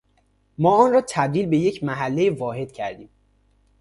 ما آن را تبدیل به یک محلهی واحد کردیم.